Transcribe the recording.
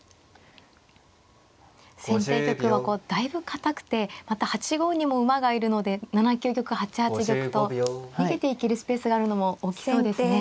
先手玉はだいぶ堅くてまた８五にも馬がいるので７九玉８八玉と逃げていけるスペースがあるのも大きそうですね。